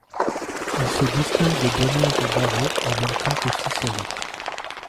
Il se distingue de bonne heure au barreau, en même temps que Cicéron.